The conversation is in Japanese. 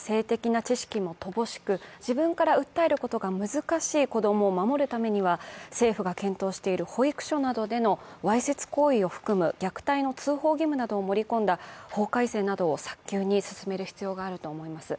まだ性的な知識も乏しく自分から訴えることが難しい子供を守るためには政府が検討している保育所などでのわいせつ行為を含む虐待の通報義務を盛り込んだ法改正などを早急に進める必要があると思います。